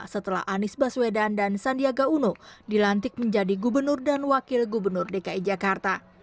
setelah anies baswedan dan sandiaga uno dilantik menjadi gubernur dan wakil gubernur dki jakarta